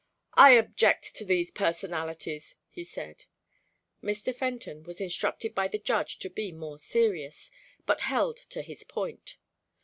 "I object to these personalities," he said. Mr. Fenton was instructed by the Judge to be more serious, but held to his point.